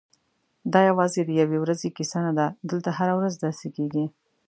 دا یوازې د یوې ورځې کیسه نه ده، دلته هره ورځ داسې کېږي.